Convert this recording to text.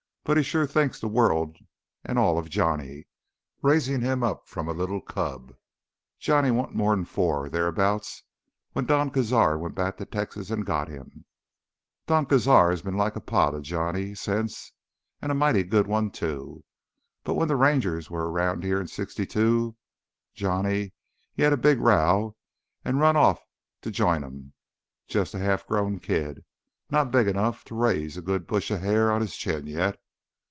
But he shore thinks th' world an' all of Johnny, raising him up from a li'l cub. Johnny warn't more'n four o' thereabouts when Don Cazar went back to Texas an' got him. Don Cazar's been like a pa to Johnny since, an' a mighty good one, too. But when th' Rangers was round here in '62 Johnny—he had a big row an' run off to join 'em. Jus' a half growed kid, not big 'nough to raise a good brush o' hair on his chin yet.